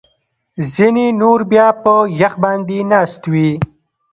ځینې نور بیا په یخ باندې ناست وي